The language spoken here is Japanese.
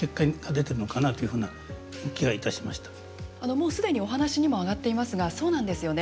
もう既にお話にも挙がっていますがそうなんですよね。